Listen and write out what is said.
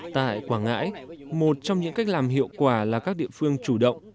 tại quảng ngãi một trong những cách làm hiệu quả là các địa phương chủ động